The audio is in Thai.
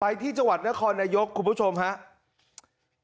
ที่จังหวัดนครนายกคุณผู้ชมครับ